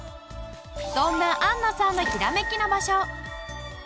そんな安野さんのヒラメキの場所。